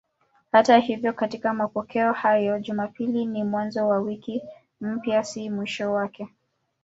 Hata hivyo katika mapokeo hayo Jumapili ni mwanzo wa wiki mpya, si mwisho wake.